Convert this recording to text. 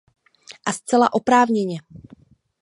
A zcela oprávněně.